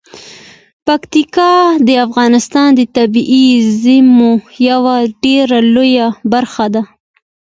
پکتیکا د افغانستان د طبیعي زیرمو یوه ډیره لویه برخه ده.